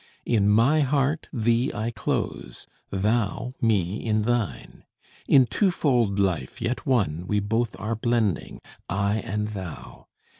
In my heart thee I close thou me in thine; In twofold life, yet one, we both are blending, I and thou!